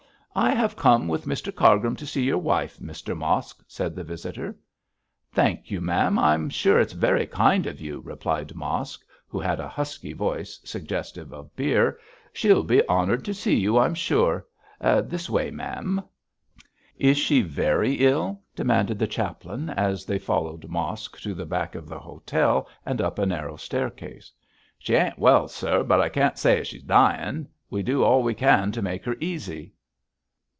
'I have come with Mr Cargrim to see your wife, Mr Mosk,' said the visitor. 'Thank you, ma'am, I'm sure it's very kind of you,' replied Mosk, who had a husky voice suggestive of beer. 'She'll be honoured to see you, I'm sure. This way, ma'am.' 'Is she very ill?' demanded the chaplain, as they followed Mosk to the back of the hotel and up a narrow staircase. 'She ain't well, sir, but I can't say as she's dying. We do all we can to make her easy.'